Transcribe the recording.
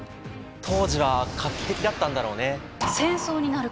当時は画期的だったんだろうね。